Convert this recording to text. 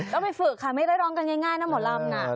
ก็ไปฝึกค่ะไม่ได้ร้องกันง่ายนะหมอลำน่ะ